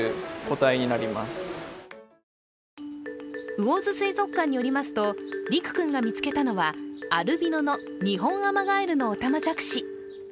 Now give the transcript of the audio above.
魚津水族館によりますと、陸君が見つけたのはアルビノのニホンアマガエルのおたまじゃくし。